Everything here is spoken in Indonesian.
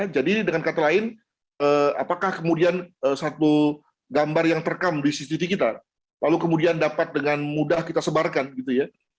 dengan kata lain apakah kemudian satu gambar yang terekam di cctv kita lalu kemudian dapat dengan mudah kita sebarkan gitu ya